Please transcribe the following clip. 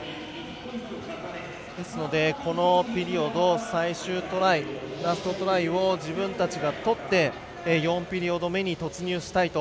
ですのでこのピリオド最終トライラストトライを自分たちが取って４ピリオド目に突入したいと。